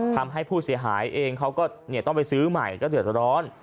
ทำให้ผู้เสียหายเองเขาก็ต้องไปซื้อใหม่ก็เดือดร้อน